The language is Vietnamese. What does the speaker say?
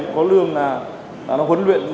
có lương là huấn luyện